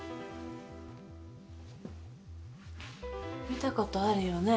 見たことあるよね？